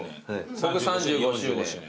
僕３５周年。